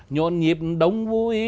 nhọn nhịp đông vui